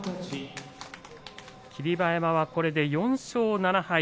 霧馬山はこれで４勝７敗。